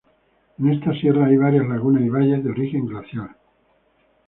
En esta sierra hay varias lagunas y valles de origen glaciar.